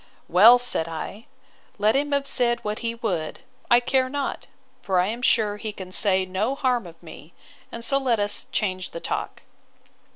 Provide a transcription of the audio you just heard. —Well, said I, let him have said what he would, I care not: for I am sure he can say no harm of me; and so let us change the talk.